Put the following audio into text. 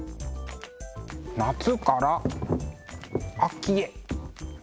夏から秋へ！